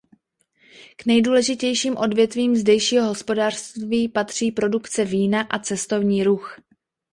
K nejdůležitějším odvětvím zdejšího hospodářství patří produkce vína a cestovní ruch.